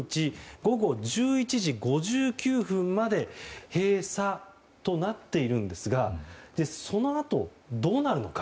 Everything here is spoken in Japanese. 午後１１時５９分まで閉鎖となっているんですがそのあと、どうなるのか。